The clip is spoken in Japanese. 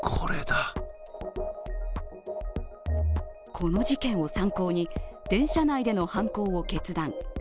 この事件を参考に電車内での犯行を決断。